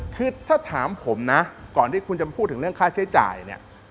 คือถ้าถามผมนะก่อนที่คุณจะพูดถึงเรื่องค่าใช้จ่ายเนี่ย